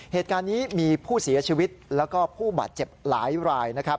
เหตุการณ์นี้มีผู้เสียชีวิตแล้วก็ผู้บาดเจ็บหลายรายนะครับ